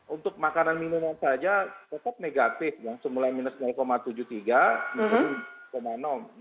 untuk makanan minuman saja tetap negatif yang semula minus tujuh puluh tiga mungkin